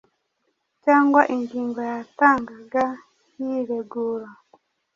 cyangwa ingingo yatangaga yiregura.